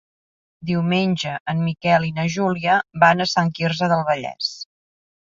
Diumenge en Miquel i na Júlia van a Sant Quirze del Vallès.